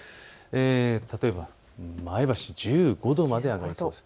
例えば前橋１５度まで上がります。